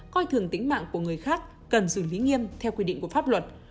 coi thường tính mạng của người khác cần xử lý nghiêm theo quy định của pháp luật